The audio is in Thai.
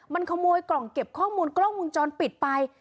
มันขโมยกล่องเก็บข้อมูลกล้องวงจรปิดไป